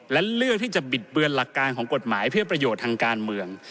และเลือกที่จะบิดเบือนหลักการของกฎหมายเพื่อประโยชน์ทางการเมือง